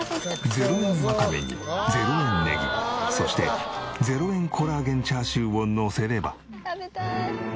０円ワカメに０円ネギそして０円コラーゲンチャーシューをのせれば。